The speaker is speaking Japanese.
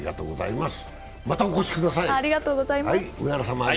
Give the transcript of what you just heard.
またお越しください。